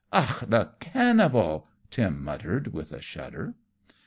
"Och, the cannibal!" Tim muttered, with a shudder.